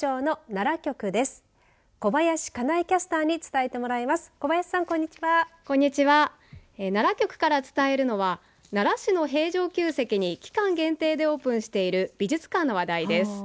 奈良局から伝えるのは奈良市の平城宮跡に期間限定でオープンしている美術館の話題です。